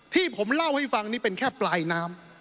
ที่ผมเล่าให้ฟังนี่เป็นแค่ปลายน้ำ